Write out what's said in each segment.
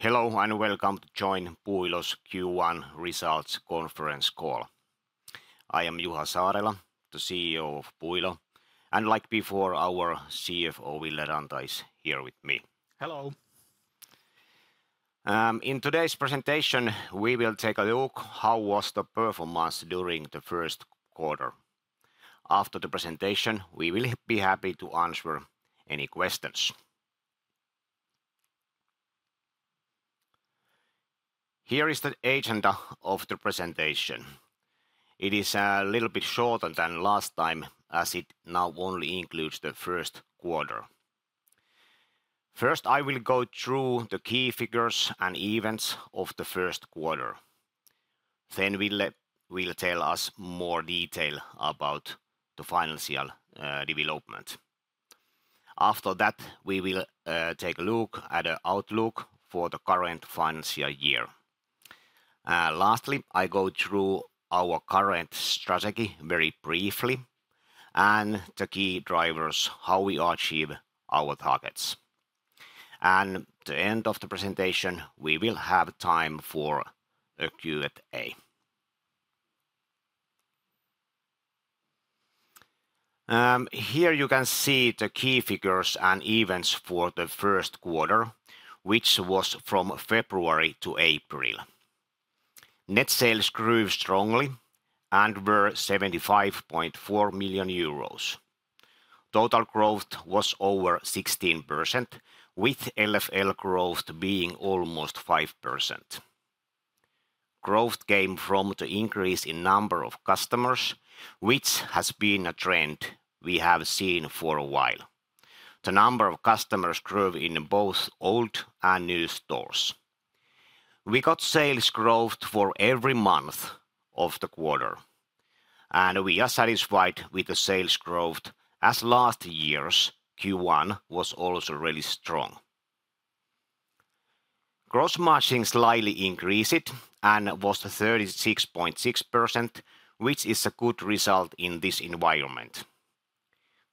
Hello, and welcome to join Puuilo's Q1 results conference call. I am Juha Saarela, the CEO of Puuilo, and like before, our CFO, Ville Ranta, is here with me. Hello. In today's presentation, we will take a look how was the performance during the first quarter. After the presentation, we will be happy to answer any questions. Here is the agenda of the presentation. It is a little bit shorter than last time, as it now only includes the first quarter. First, I will go through the key figures and events of the first quarter. Then Ville will tell us more detail about the financial development. After that, we will take a look at the outlook for the current financial year. Lastly, I go through our current strategy very briefly, and the key drivers, how we achieve our targets. At the end of the presentation, we will have time for a Q&A. Here you can see the key figures and events for the first quarter, which was from February to April. Net sales grew strongly and were 75.4 million euros. Total growth was over 16%, with LFL growth being almost 5%. Growth came from the increase in number of customers, which has been a trend we have seen for a while. The number of customers grew in both old and new stores. We got sales growth for every month of the quarter, and we are satisfied with the sales growth as last year's Q1 was also really strong. Gross margin slightly increased and was 36.6%, which is a good result in this environment.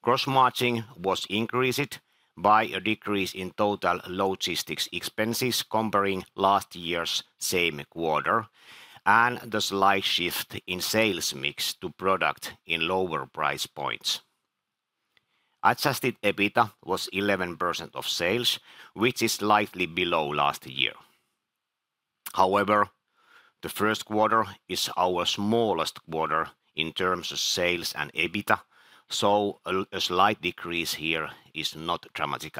Gross margin was increased by a decrease in total logistics expenses comparing last year's same quarter, and the slight shift in sales mix to product in lower price points. Adjusted EBITDA was 11% of sales, which is slightly below last year. However, the first quarter is our smallest quarter in terms of sales and EBITDA, so a slight decrease here is not dramatic.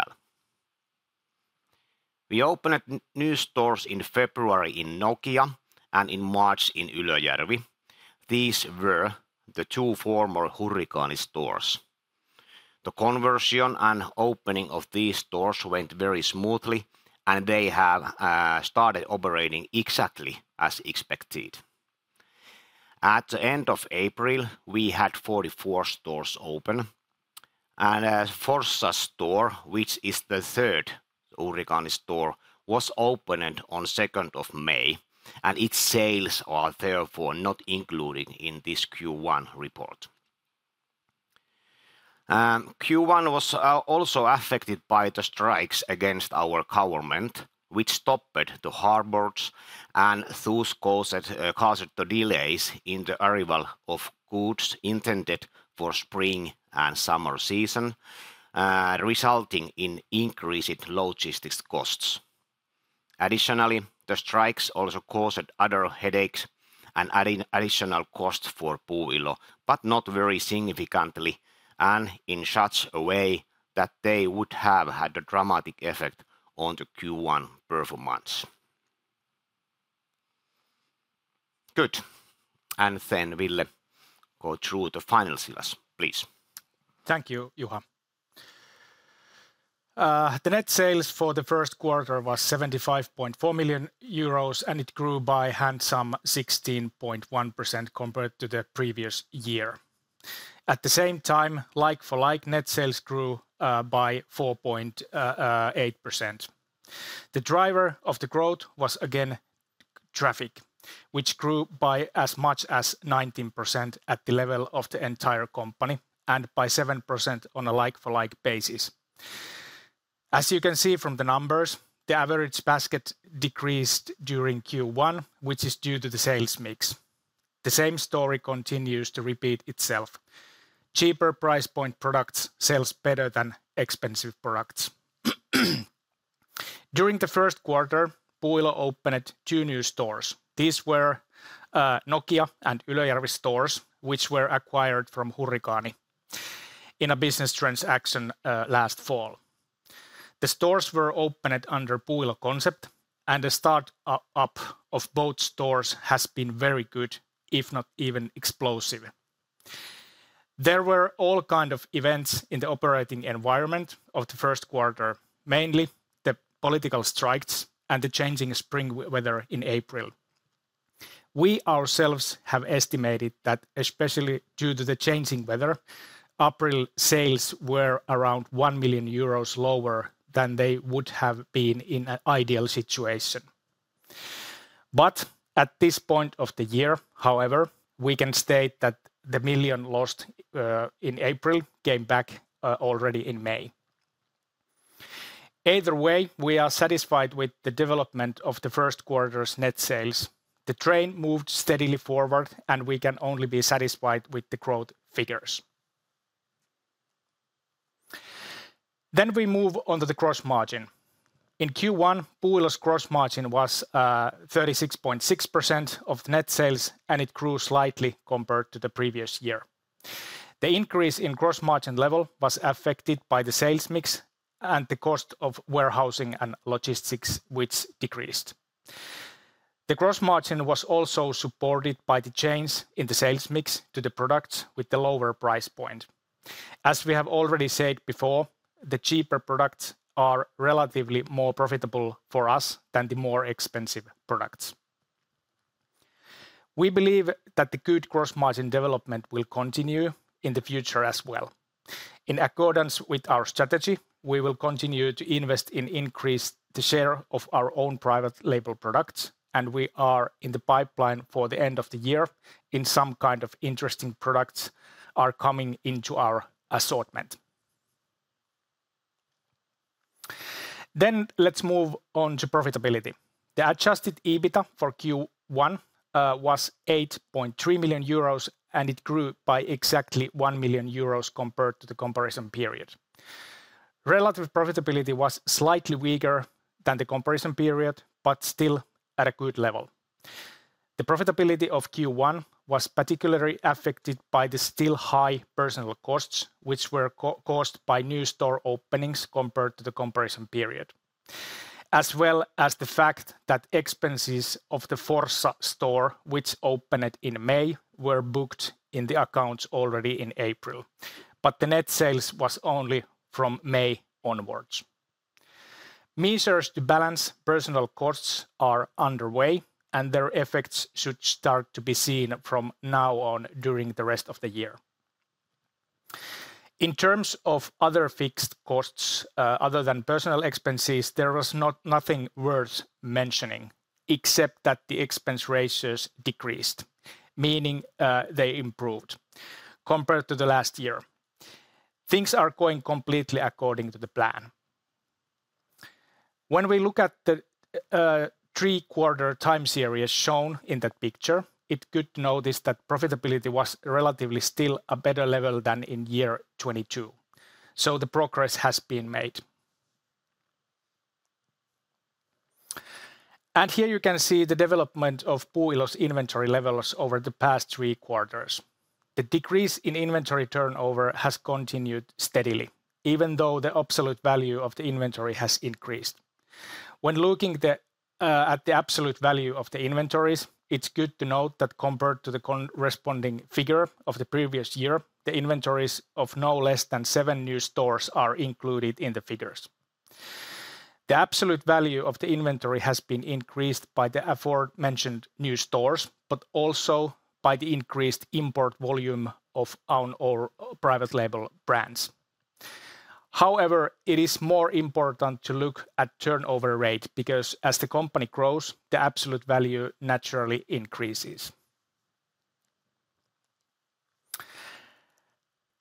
We opened new stores in February in Nokia and in March in Ylöjärvi. These were the two former Hurrikaani stores. The conversion and opening of these stores went very smoothly, and they have started operating exactly as expected. At the end of April, we had 44 stores open, and a Forssa store, which is the third Hurrikaani store, was opened on second of May, and its sales are therefore not included in this Q1 report. Q1 was also affected by the strikes against our government, which stopped the harbors and thus caused the delays in the arrival of goods intended for spring and summer season, resulting in increased logistics costs. Additionally, the strikes also caused other headaches and adding additional costs for Puuilo, but not very significantly and in such a way that they would have had a dramatic effect on the Q1 performance. Good. Then Ville, go through the financials, please. Thank you, Juha. The net sales for the first quarter was 75.4 million euros, and it grew by handsome 16.1% compared to the previous year. At the same time, like-for-like net sales grew by 4.8%. The driver of the growth was again traffic, which grew by as much as 19% at the level of the entire company and by 7% on a like-for-like basis. As you can see from the numbers, the average basket decreased during Q1, which is due to the sales mix. The same story continues to repeat itself. Cheaper price point products sells better than expensive products. During the first quarter, Puuilo opened two new stores. These were Nokia and Ylöjärvi stores, which were acquired from Hurrikaani in a business transaction last fall. The stores were opened under Puuilo concept, and the start-up of both stores has been very good, if not even explosive. There were all kind of events in the operating environment of the first quarter, mainly the political strikes and the changing spring weather in April. We ourselves have estimated that especially due to the changing weather, April sales were around 1 million euros lower than they would have been in an ideal situation. But at this point of the year, however, we can state that the 1 million lost in April came back already in May. Either way, we are satisfied with the development of the first quarter's net sales. The train moved steadily forward, and we can only be satisfied with the growth figures. Then we move on to the gross margin. In Q1, Puuilo's gross margin was 36.6% of the net sales, and it grew slightly compared to the previous year. The increase in gross margin level was affected by the sales mix and the cost of warehousing and logistics, which decreased. The gross margin was also supported by the change in the sales mix to the products with the lower price point. As we have already said before, the cheaper products are relatively more profitable for us than the more expensive products. We believe that the good gross margin development will continue in the future as well. In accordance with our strategy, we will continue to invest in increase the share of our own private label products, and we are in the pipeline for the end of the year, and some kind of interesting products are coming into our assortment. Then let's move on to profitability. The adjusted EBITDA for Q1 was 8.3 million euros, and it grew by exactly 1 million euros compared to the comparison period. Relative profitability was slightly weaker than the comparison period, but still at a good level. The profitability of Q1 was particularly affected by the still high personnel costs, which were caused by new store openings compared to the comparison period, as well as the fact that expenses of the Forssa store, which opened in May, were booked in the accounts already in April, but the net sales was only from May onwards. Measures to balance personnel costs are underway, and their effects should start to be seen from now on, during the rest of the year. In terms of other fixed costs, other than personal expenses, there was nothing worth mentioning, except that the expense ratios decreased, meaning they improved compared to the last year. Things are going completely according to the plan. When we look at the three-quarter time series shown in the picture, it could notice that profitability was relatively still a better level than in year 2022. So the progress has been made. And here you can see the development of Puuilo's inventory levels over the past three quarters. The decrease in inventory turnover has continued steadily, even though the absolute value of the inventory has increased. When looking at the absolute value of the inventories, it's good to note that compared to the corresponding figure of the previous year, the inventories of no less than seven new stores are included in the figures. The absolute value of the inventory has been increased by the aforementioned new stores, but also by the increased import volume of our own private label brands. However, it is more important to look at turnover rate because as the company grows, the absolute value naturally increases.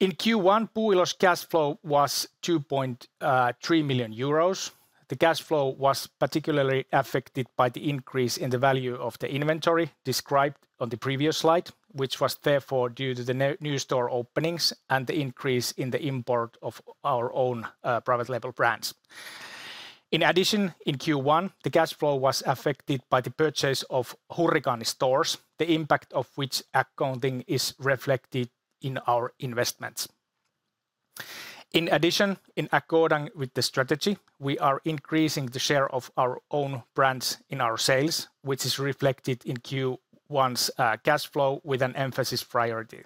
In Q1, Puuilo's cash flow was 2.3 million euros. The cash flow was particularly affected by the increase in the value of the inventory described on the previous slide, which was therefore due to the new store openings and the increase in the import of our own private label brands. In addition, in Q1, the cash flow was affected by the purchase of Hurrikaani stores, the impact of which accounting is reflected in our investments. In addition, in accordance with the strategy, we are increasing the share of our own brands in our sales, which is reflected in Q1's cash flow with an emphasis priority.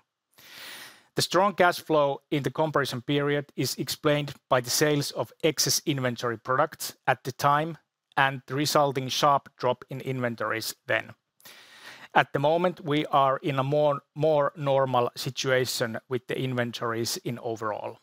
The strong cash flow in the comparison period is explained by the sales of excess inventory products at the time and the resulting sharp drop in inventories then. At the moment, we are in a more normal situation with the inventories overall.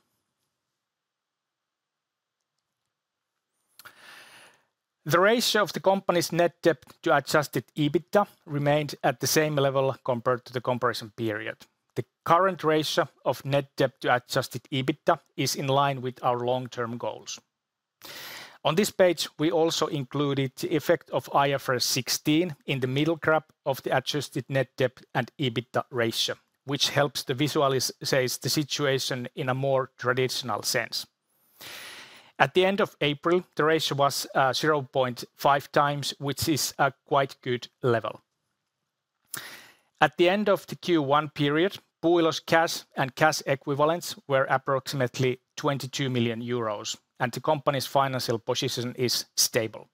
The ratio of the company's net debt to Adjusted EBITDA remained at the same level compared to the comparison period. The current ratio of net debt to Adjusted EBITDA is in line with our long-term goals. On this page, we also included the effect of IFRS 16 in the middle graph of the adjusted net debt and EBITDA ratio, which helps to visualize the situation in a more traditional sense. At the end of April, the ratio was 0.5x, which is a quite good level. At the end of the Q1 period, Puuilo's cash and cash equivalents were approximately 22 million euros, and the company's financial position is stable.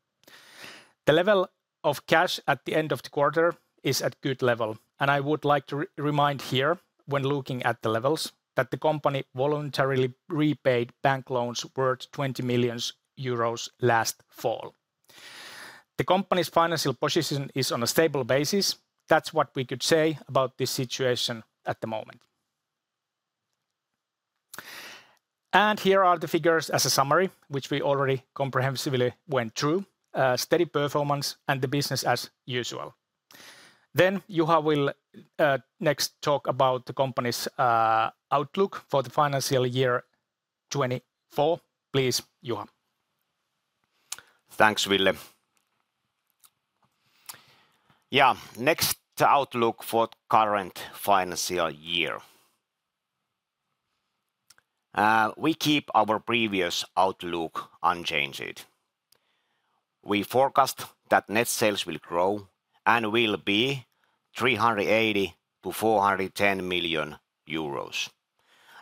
The level of cash at the end of the quarter is at good level, and I would like to remind here, when looking at the levels, that the company voluntarily repaid bank loans worth 20 million euros last fall. The company's financial position is on a stable basis. That's what we could say about this situation at the moment. Here are the figures as a summary, which we already comprehensively went through. Steady performance and the business as usual. Then Juha will next talk about the company's outlook for the financial year 2024. Please, Juha. Thanks, Ville. Yeah, next, the outlook for current financial year. We keep our previous outlook unchanged. We forecast that net sales will grow and will be 380 million-410 million euros,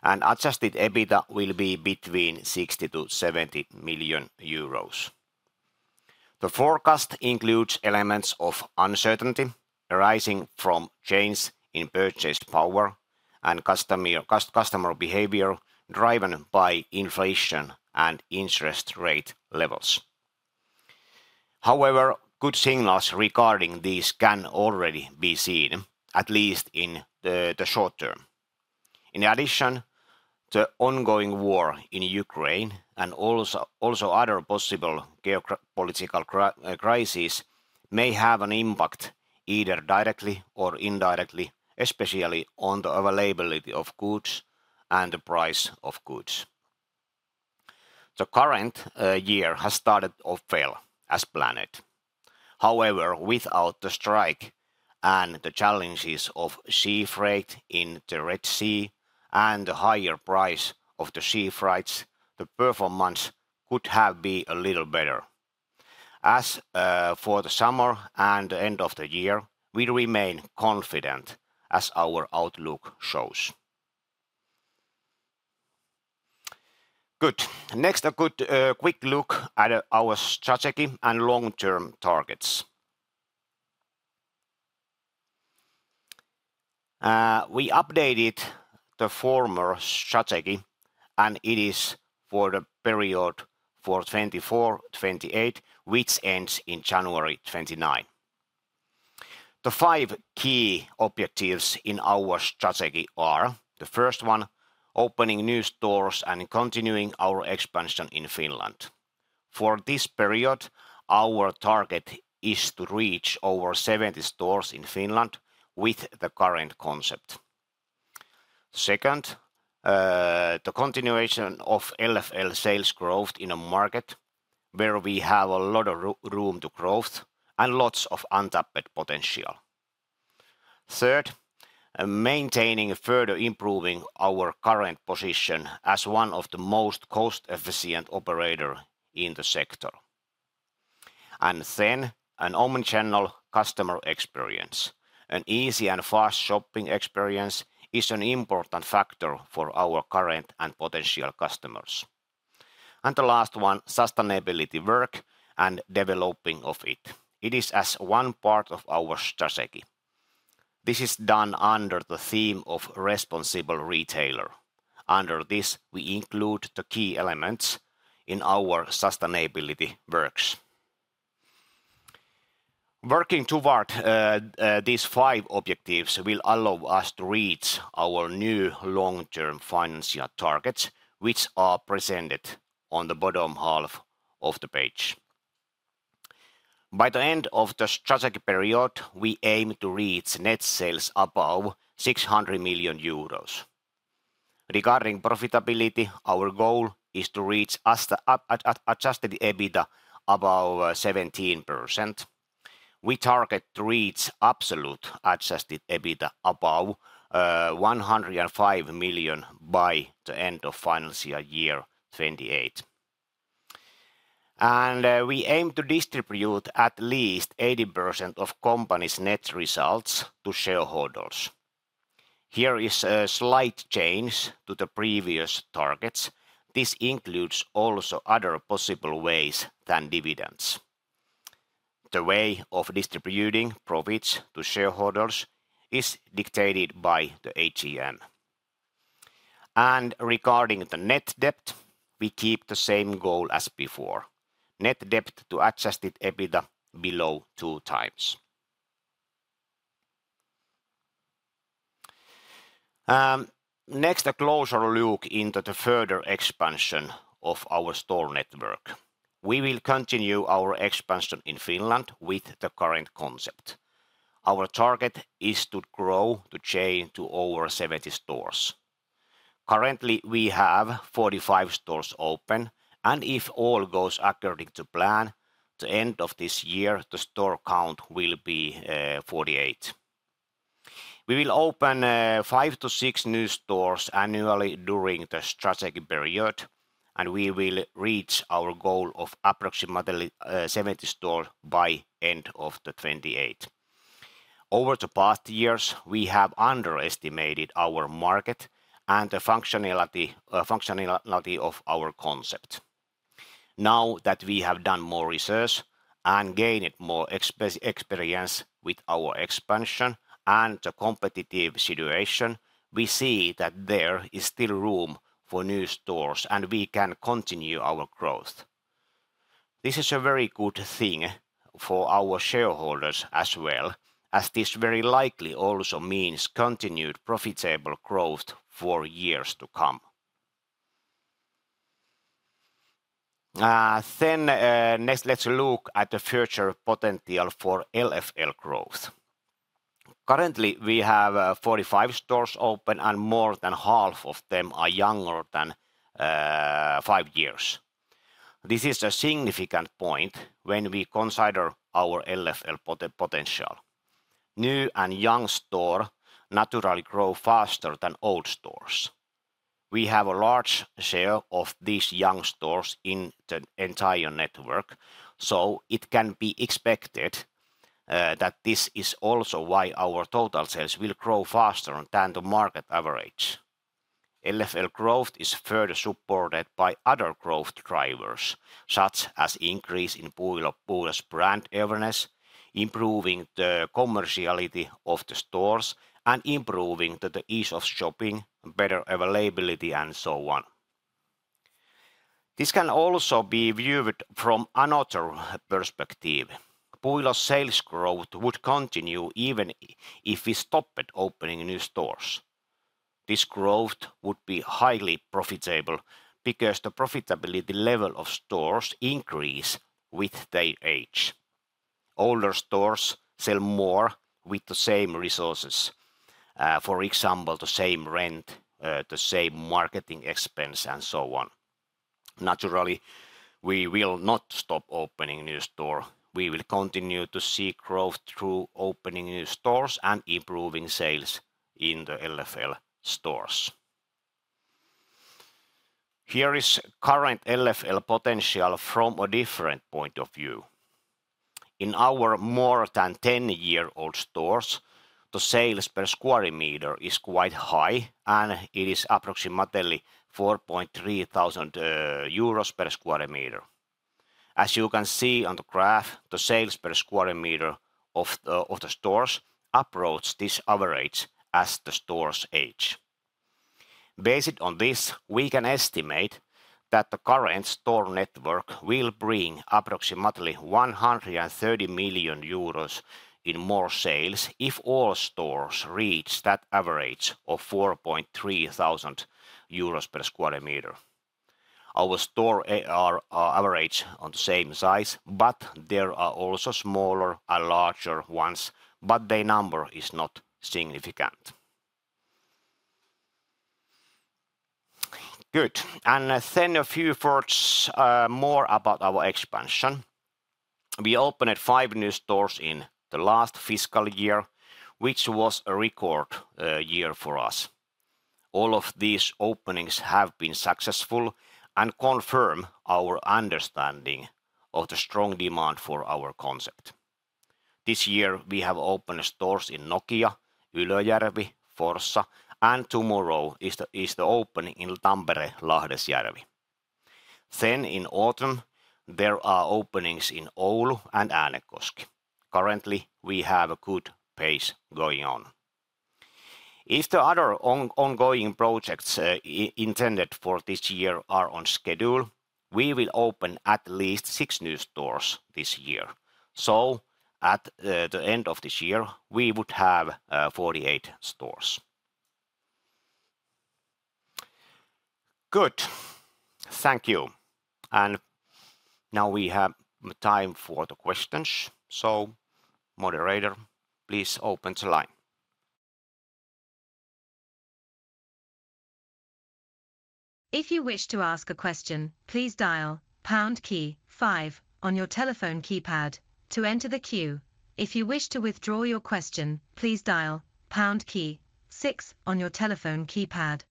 and adjusted EBITDA will be between 60 million-70 million euros. The forecast includes elements of uncertainty arising from change in purchase power and customer behavior driven by inflation and interest rate levels. However, good signals regarding this can already be seen, at least in the short term. In addition, the ongoing war in Ukraine and other possible geopolitical crises may have an impact, either directly or indirectly, especially on the availability of goods and the price of goods. The current year has started off well, as planned. However, without the strike and the challenges of sea freight in the Red Sea and the higher price of the sea freights, the performance could have been a little better. As for the summer and end of the year, we remain confident, as our outlook shows. Good. Next, a good quick look at our strategy and long-term targets. We updated the former strategy, and it is for the period for 2024-2028, which ends in January 2029. The five key objectives in our strategy are: the first one, opening new stores and continuing our expansion in Finland. For this period, our target is to reach over 70 stores in Finland with the current concept. Second, the continuation of LFL sales growth in a market where we have a lot of room to growth and lots of untapped potential. Third, maintaining and further improving our current position as one of the most cost-efficient operator in the sector. And then, an omnichannel customer experience. An easy and fast shopping experience is an important factor for our current and potential customers. And the last one, sustainability work and developing of it. It is as one part of our strategy. This is done under the theme of responsible retailer. Under this, we include the key elements in our sustainability works. Working toward these five objectives will allow us to reach our new long-term financial targets, which are presented on the bottom half of the page. By the end of the strategic period, we aim to reach net sales above 600 million euros. Regarding profitability, our goal is to reach Adjusted EBITDA above 17%. We target to reach absolute adjusted EBITDA above 105 million by the end of financial year 2028. We aim to distribute at least 80% of company's net results to shareholders. Here is a slight change to the previous targets. This includes also other possible ways than dividends. The way of distributing profits to shareholders is dictated by the AGM. Regarding the net debt, we keep the same goal as before: net debt to adjusted EBITDA below 2x. Next, a closer look into the further expansion of our store network. We will continue our expansion in Finland with the current concept. Our target is to grow the chain to over 70 stores. Currently, we have 45 stores open, and if all goes according to plan, the end of this year, the store count will be 48. We will open 5-6 new stores annually during the strategic period, and we will reach our goal of approximately 70 stores by end of the 2028. Over the past years, we have underestimated our market and the functionality of our concept. Now that we have done more research and gained more experience with our expansion and the competitive situation, we see that there is still room for new stores, and we can continue our growth... This is a very good thing for our shareholders as well, as this very likely also means continued profitable growth for years to come. Then, next, let's look at the future potential for LFL growth. Currently, we have 45 stores open and more than half of them are younger than 5 years. This is a significant point when we consider our LFL potential. New and young store naturally grow faster than old stores. We have a large share of these young stores in the entire network, so it can be expected that this is also why our total sales will grow faster than the market average. LFL growth is further supported by other growth drivers, such as increase in Puuilo's brand awareness, improving the commerciality of the stores, and improving the ease of shopping, better availability, and so on. This can also be viewed from another perspective. Puuilo's sales growth would continue even if we stopped opening new stores. This growth would be highly profitable because the profitability level of stores increase with their age. Older stores sell more with the same resources, for example, the same rent, the same marketing expense, and so on. Naturally, we will not stop opening new store. We will continue to seek growth through opening new stores and improving sales in the LFL stores. Here is current LFL potential from a different point of view. In our more than 10-year-old stores, the sales per square meter is quite high, and it is approximately 4,300 euros per square meter. As you can see on the graph, the sales per square meter of the stores approach this average as the stores age. Based on this, we can estimate that the current store network will bring approximately 130 million euros in more sales if all stores reach that average of 4,300 euros per square meter. Our stores are average on the same size, but there are also smaller and larger ones, but their number is not significant. Good. Then a few words more about our expansion. We opened five new stores in the last fiscal year, which was a record year for us. All of these openings have been successful and confirm our understanding of the strong demand for our concept. This year, we have opened stores in Nokia, Ylöjärvi, Forssa, and tomorrow is the opening in Tampere, Lahdesjärvi. Then in autumn, there are openings in Oulu and Äänekoski. Currently, we have a good pace going on. If the other ongoing projects intended for this year are on schedule, we will open at least six new stores this year. So at the end of this year, we would have 48 stores. Good. Thank you. And now we have time for the questions. So moderator, please open the line. If you wish to ask a question, please dial pound key five on your telephone keypad to enter the queue. If you wish to withdraw your question, please dial pound key six on your telephone keypad.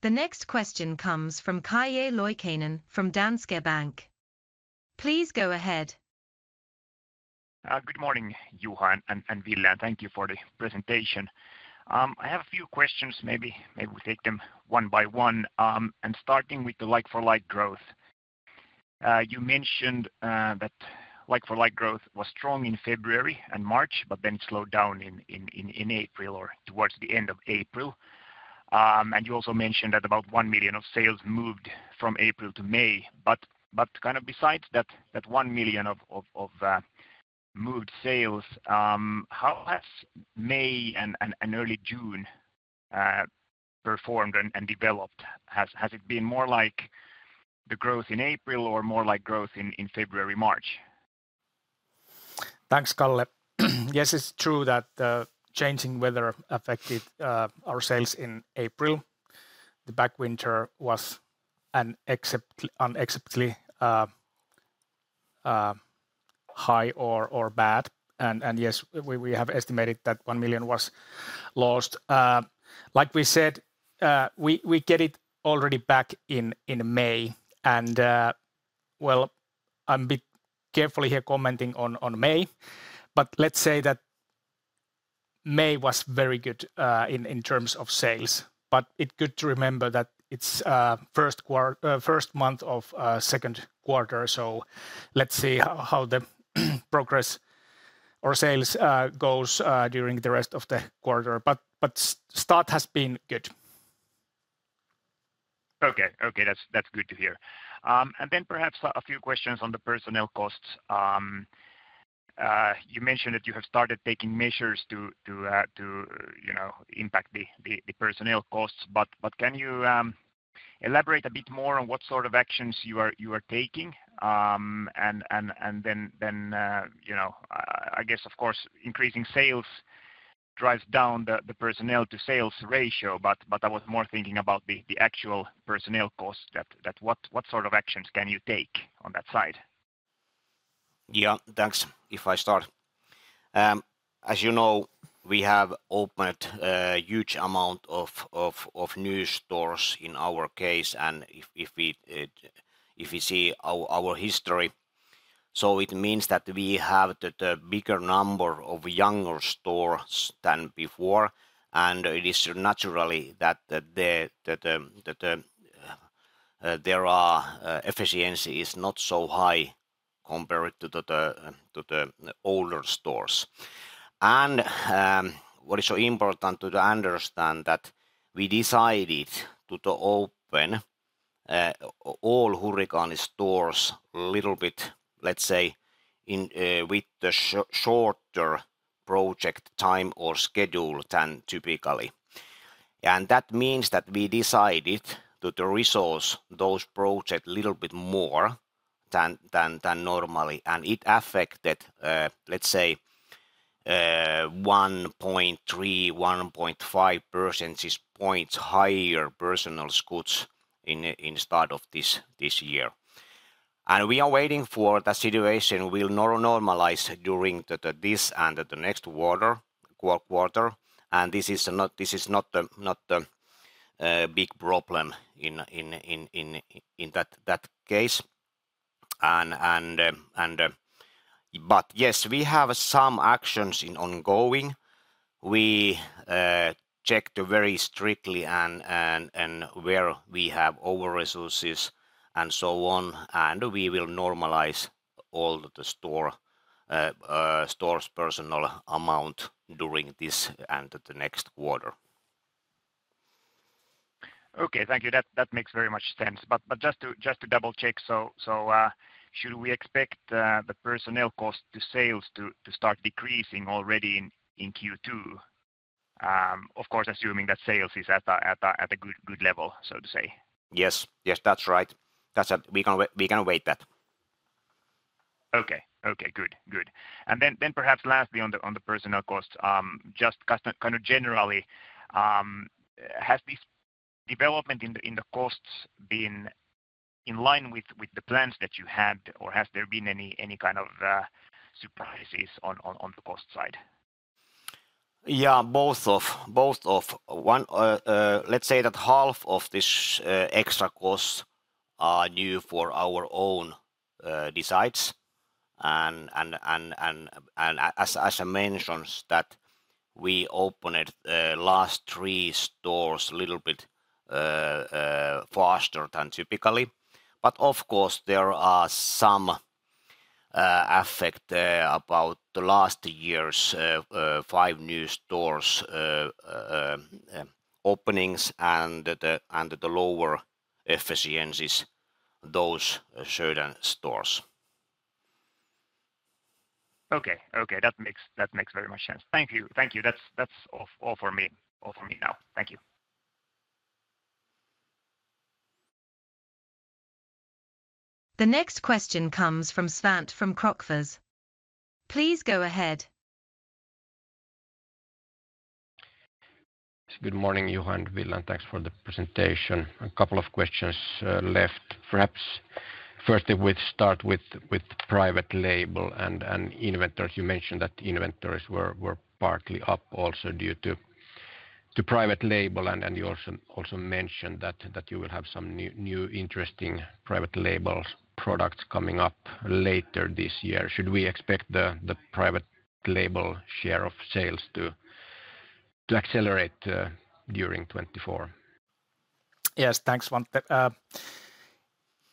The next question comes from Calle Loikkanen from Danske Bank. Please go ahead. Good morning, Juha and Ville, and thank you for the presentation. I have a few questions, maybe we take them one by one. Starting with the like-for-like growth, you mentioned that like-for-like growth was strong in February and March, but then slowed down in April or towards the end of April. You also mentioned that about 1 million of sales moved from April to May. But kind of besides that, that 1 million of moved sales, how has May and early June performed and developed? Has it been more like the growth in April or more like growth in February, March? Thanks, Calle. Yes, it's true that the changing weather affected our sales in April. The backwinter was an unexpectedly high or bad, and yes, we have estimated that 1 million was lost. Like we said, we get it already back in May, and well, I'm a bit carefully here commenting on May, but let's say that May was very good in terms of sales. But it's good to remember that it's first month of second quarter, so let's see how the progress or sales goes during the rest of the quarter, but start has been good. Okay. Okay, that's good to hear. And then perhaps a few questions on the personnel costs. You mentioned that you have started taking measures to you know, impact the personnel costs, but can you elaborate a bit more on what sort of actions you are taking? And then, you know, I guess, of course, increasing sales drives down the personnel to sales ratio, but I was more thinking about the actual personnel costs that what sort of actions can you take on that side? Yeah, thanks. If I start. As you know, we have opened a huge amount of new stores in our case, and if we see our history. So it means that we have the bigger number of younger stores than before, and it is natural that the efficiency is not so high compared to the older stores. And what is so important to understand that we decided to open all Hurrikaani stores a little bit, let's say, with the shorter project time or schedule than typically. That means that we decided to resource those projects a little bit more than normally, and it affected, let's say, 1.3-1.5 percentage points higher personnel costs in the start of this year. We are waiting for the situation to normalize during this and the next quarter. This is not the big problem in that case. But yes, we have some actions ongoing. We check very strictly and where we have overresources and so on, and we will normalize all the stores' personnel amount during this and the next quarter. Okay. Thank you. That makes very much sense. But just to double-check, so should we expect the personnel cost to sales to start decreasing already in Q2? Of course, assuming that sales is at a good level, so to say. Yes. Yes, that's right. That's... We can wait that. Okay. Okay, good. Good. And then, then perhaps lastly on the, on the personnel costs, just kind of, kind of generally, has this development in the, in the costs been in line with, with the plans that you had, or has there been any, any kind of, surprises on, on, on the cost side? Yeah, both of both of. One, let's say that half of this extra costs are new for our own designs, and as I mentioned, that we opened last three stores a little bit faster than typically. But of course, there are some effect about the last year's five new stores openings and the lower efficiencies, those certain stores. Okay. Okay, that makes, that makes very much sense. Thank you. Thank you. That's, that's all, all for me. All for me now. Thank you. The next question comes from Svante Krokfors. Please go ahead. Good morning, Juha and Ville, and thanks for the presentation. A couple of questions left perhaps. Firstly, we'd start with private label and inventories. You mentioned that inventories were partly up also due to private label, and you also mentioned that you will have some new interesting private label products coming up later this year. Should we expect the private label share of sales to accelerate during 2024? Yes. Thanks, Svante.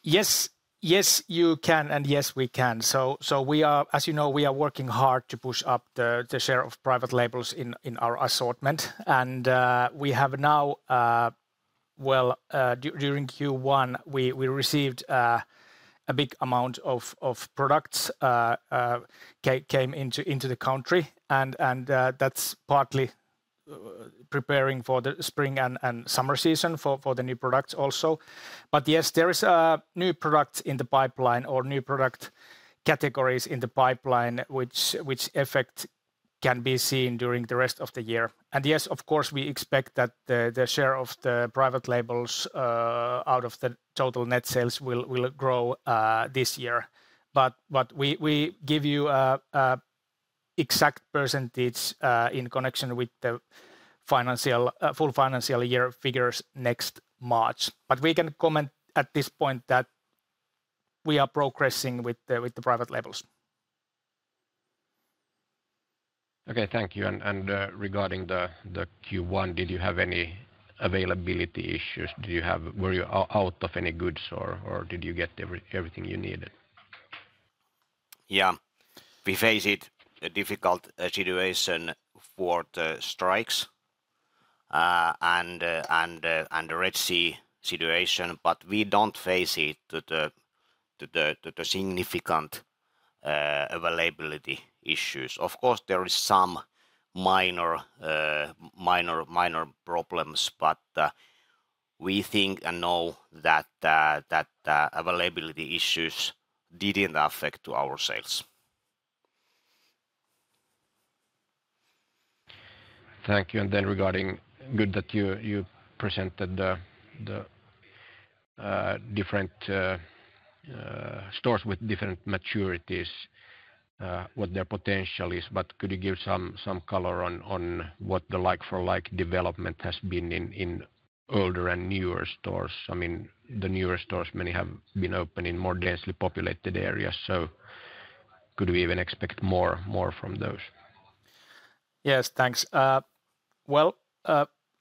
Yes. Yes, you can, and yes, we can. So, as you know, we are working hard to push up the share of private labels in our assortment. And we have now. Well, during Q1, we received a big amount of products came into the country, and that's partly preparing for the spring and summer season for the new products also. But yes, there is a new product in the pipeline or new product categories in the pipeline, which effect can be seen during the rest of the year. And yes, of course, we expect that the share of the private labels out of the total net sales will grow this year. But what we give you exact percentage in connection with the financial full financial year figures next March. But we can comment at this point that we are progressing with the private labels. ... Okay, thank you. And regarding the Q1, did you have any availability issues? Were you out of any goods, or did you get everything you needed? Yeah. We faced it, a difficult situation for the strikes, and the Red Sea situation, but we don't face it to the significant availability issues. Of course, there is some minor problems, but we think and know that availability issues didn't affect to our sales. Thank you, and then regarding good that you presented the different stores with different maturities, what their potential is. But could you give some color on what the like for like development has been in older and newer stores? I mean, the newer stores, many have been open in more densely populated areas, so could we even expect more from those? Yes, thanks. Well,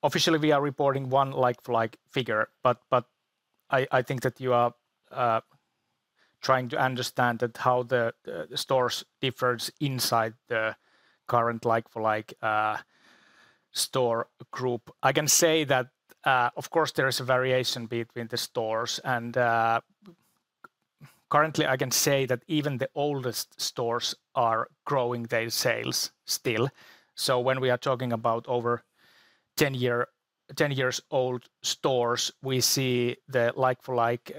officially, we are reporting one like for like figure, but, but I, I think that you are, trying to understand that how the, the stores differs inside the current like for like, store group. I can say that, of course, there is a variation between the stores, and, currently, I can say that even the oldest stores are growing their sales still. So when we are talking about over 10 year-10 years old stores, we see the like for like,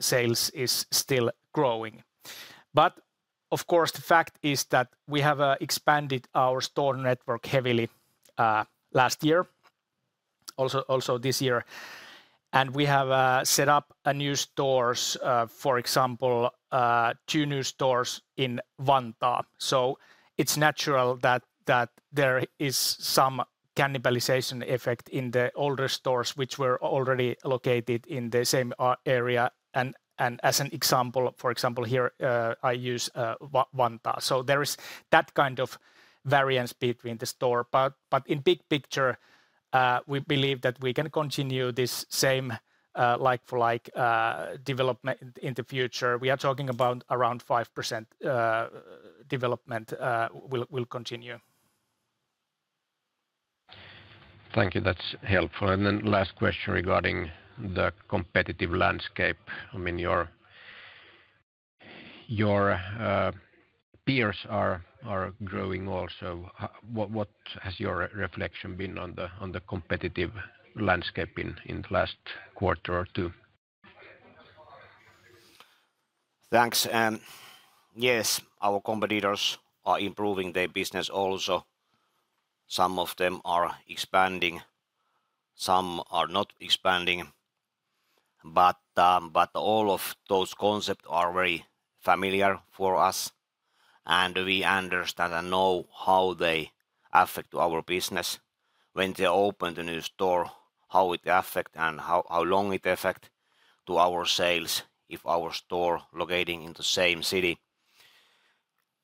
sales is still growing. But of course, the fact is that we have, expanded our store network heavily, last year, also, also this year. And we have, set up a new stores, for example, two new stores in Vantaa. So it's natural that, that there is some cannibalization effect in the older stores, which were already located in the same, area. And, and as an example, for example, here, I use, Vantaa. So there is that kind of variance between the store. But, but in big picture, we believe that we can continue this same, like for like, development in the future. We are talking about around 5%, development, will, will continue. Thank you. That's helpful. And then last question regarding the competitive landscape. I mean, your peers are growing also. What has your reflection been on the competitive landscape in the last quarter or two? Thanks, and yes, our competitors are improving their business also. Some of them are expanding, some are not expanding. But, but all of those concepts are very familiar for us, and we understand and know how they affect our business. When they open the new store, how it affect and how, how long it affect to our sales if our store locating in the same city.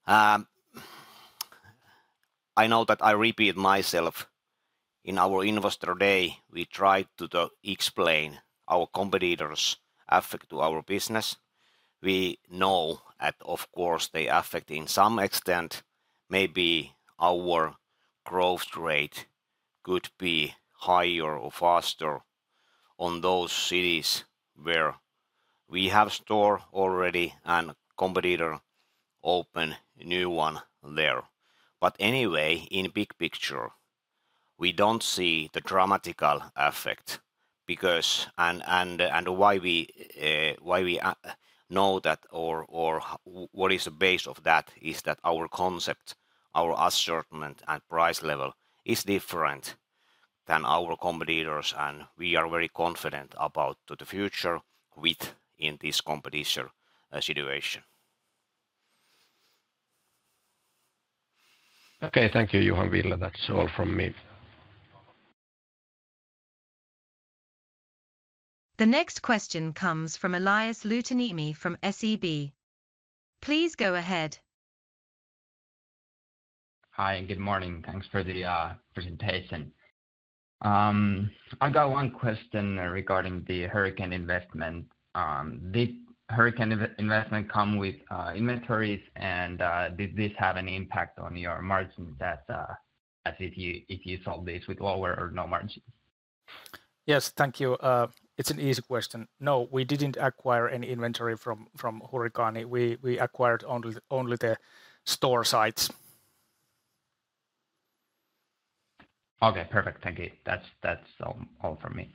I know that I repeat myself. In our investor day, we tried to explain our competitors' effect to our business. We know that, of course, they affect in some extent, maybe our growth rate could be higher or faster on those cities where we have store already and competitor open a new one there. But anyway, in big picture, we don't see the dramatic effect because... Why we know that, what is the basis of that is that our concept, our assortment and price level, is different than our competitors, and we are very confident about the future within this competitive situation. Okay. Thank you, Juha, Ville. That's all from me. The next question comes from Elias Luutaniemi from SEB. Please go ahead. Hi, and good morning. Thanks for the presentation. I got one question regarding the Hurrikaani investment. Did Hurrikaani investment come with inventories, and did this have an impact on your margin that as if you, if you sold this with lower or no margin? Yes. Thank you. It's an easy question. No, we didn't acquire any inventory from Hurrikaani. We acquired only the store sites. Okay, perfect. Thank you. That's all from me.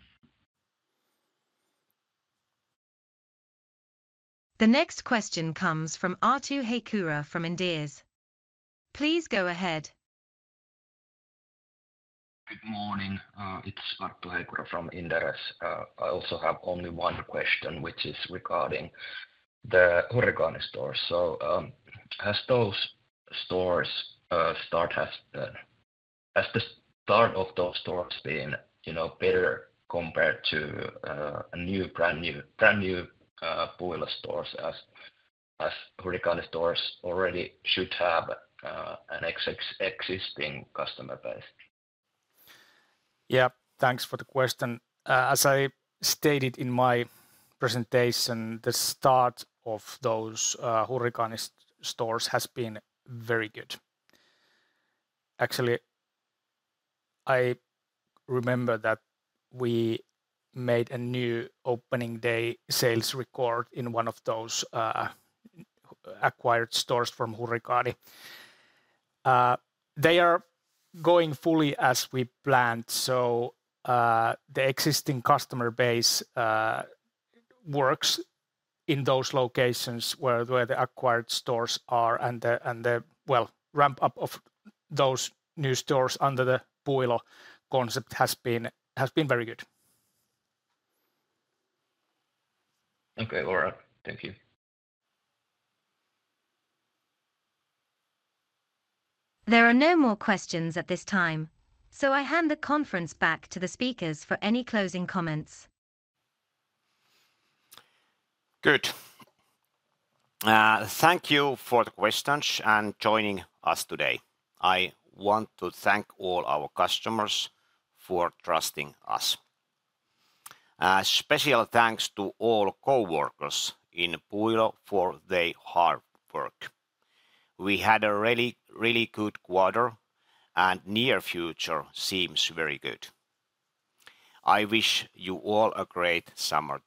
The next question comes from Arttu Heikura from Inderes. Please go ahead. Good morning. It's Arttu Heikura from Inderes. I also have only one question, which is regarding the Hurrikaani stores. Has the start of those stores been, you know, better compared to a new, brand-new, brand-new Puuilo stores as Hurrikaani stores already should have an existing customer base? Yeah. Thanks for the question. As I stated in my presentation, the start of those Hurrikaani stores has been very good. Actually, I remember that we made a new opening day sales record in one of those acquired stores from Hurrikaani. They are going fully as we planned, so the existing customer base works in those locations where the acquired stores are, and the well, ramp-up of those new stores under the Puuilo concept has been very good. Okay. All right. Thank you. There are no more questions at this time, so I hand the conference back to the speakers for any closing comments. Good. Thank you for the questions and joining us today. I want to thank all our customers for trusting us. Special thanks to all coworkers in Puuilo for their hard work. We had a really, really good quarter, and near future seems very good. I wish you all a great summertime!